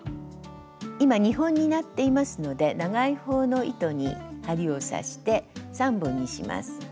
今２本になっていますので長い方の糸に針を刺して３本にします。